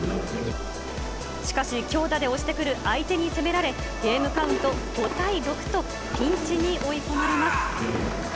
しかし、強打で押してくる相手に攻められ、ゲームカウント５対６とピンチに追い込まれます。